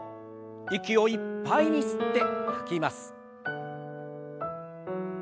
息をいっぱいに吸って吐きます。